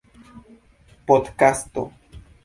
podkasto